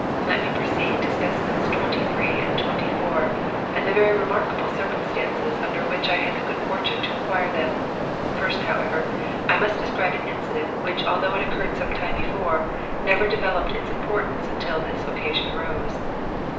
Let me proceed to specimens 23 and 24 and the very remarkable circumstances under which I had the good fortune to acquire them. First, however, I must describe an incident which, although it occurred some time before, never developed its importance until this occasion arose.